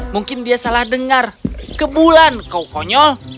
mungkin dia salah dengar ke bulan kau konyol